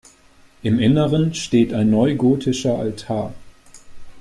Im Inneren steht ein neugotischer Altar.